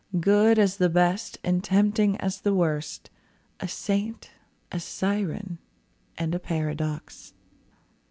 Good as the best, and tempting as the worst, A saint, a siren, and a paradox.